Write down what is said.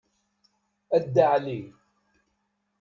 A Dda Ɛli.